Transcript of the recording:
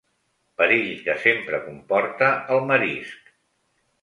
Perill que sempre comporta el marisc.